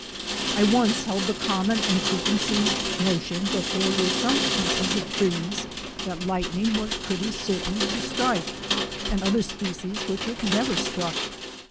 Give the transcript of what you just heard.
I once held the common and preconceived notion that there were some species of trees that lightning was pretty certain to strike, and other species which it never struck.